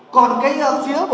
còn cái phía